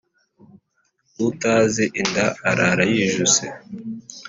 Utazi inda arara yijuse.